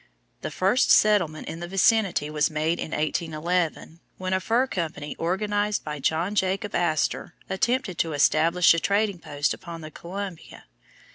The first settlement in the vicinity was made in 1811, when a fur company organized by John Jacob Astor attempted to establish a trading post upon the Columbia.